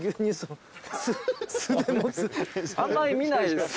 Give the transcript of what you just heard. あんまり見ない。